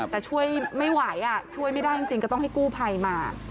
แต่ช่วยไม่ไหวช่วยไม่ได้จริงก็ต้องให้กู้ภัยมา